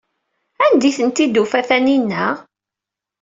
Anda ay ten-id-tufa Taninna?